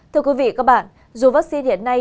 thưa quý vị các bạn dù vaccine hiện nay